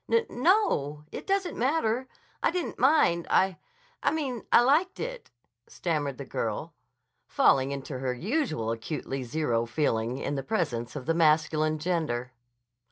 "N no. It doesn't matter. I didn't mind. I—I mean, I liked it," stammered the girl, falling into her usual acutely zero feeling in the presence of the masculine gender.